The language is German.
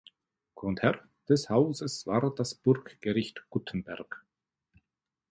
Grundherr des Hauses war das Burggericht Guttenberg.